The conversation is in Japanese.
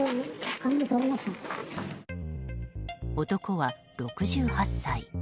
男は６８歳。